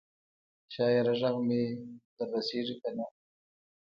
شاعره ږغ مي در رسیږي کنه؟